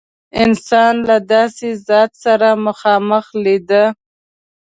انسان له داسې ذات سره مخامخ لیده.